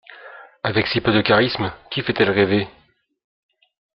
Avec si peu de charisme, qui fait-elle rêver?